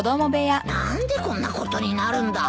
何でこんなことになるんだ。